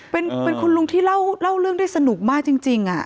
เป็นคุณลุงที่เล่าเรื่องได้สนุกมากจริง